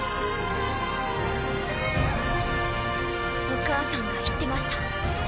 お母さんが言ってました。